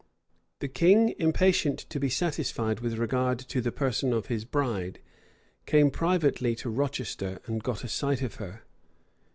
The king, impatient to be satisfied with regard to the person of his bride, came privately to Rochester and got a sight of her.